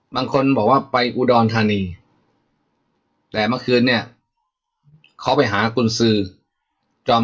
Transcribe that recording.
บางคนบอกว่าไปปูดอลทานีแต่เมื่อคืนนี้เขาไปหากรุนซือจ่อม